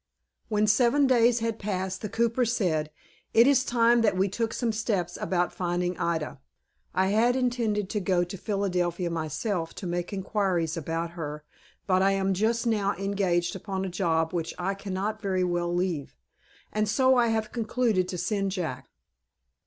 When seven days had passed the cooper said, "It is time that we took some steps about finding Ida. I had intended to go to Philadelphia myself, to make inquiries about her, but I am just now engaged upon a job which I cannot very well leave, and so I have concluded to send Jack."